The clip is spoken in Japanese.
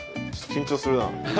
緊張するな。